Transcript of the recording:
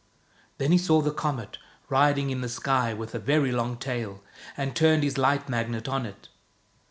Then he saw the comet, riding in the sky with a very long tail, and turned his Light Magnet on it.